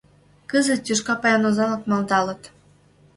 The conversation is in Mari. Кызыт тӱшка паян озанлык малдалыт.